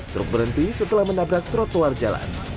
truk berhenti setelah menabrak trotoar jalan